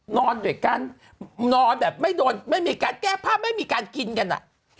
นอนโดยกันนอนแบบไม่โดนแก้ภาพไม่มีการกินกัน